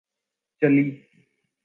چلی